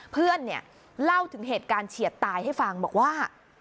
เพื่อนเนี่ยเล่าถึงเหตุการณ์เฉียดตายให้ฟังบอกว่า